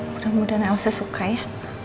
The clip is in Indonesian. mudah mudahan elsa suka ya